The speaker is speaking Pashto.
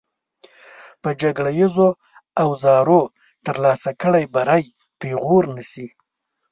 پر جګړیزو اوزارو ترلاسه کړی بری پېغور نه شي.